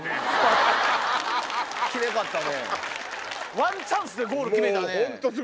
ワンチャンスでゴール決めたね。